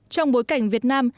trong bối cảnh việt nam